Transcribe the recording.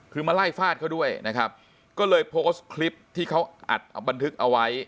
คือมาไล่ฟาดเขาด้วยนะครับก็เลยโพสต์คลิปที่เขาอัดบันทึกเอาไว้